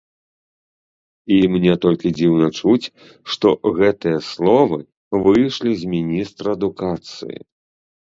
І мне толькі дзіўна чуць, што гэтыя словы выйшлі з міністра адукацыі.